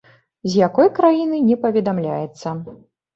З якой краіны, не паведамляецца.